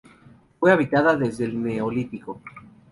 Fue habitada desde el neolítico.